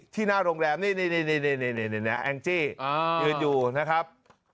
หน้าโรงแรมนี่แองจี้ยืนอยู่นะครับ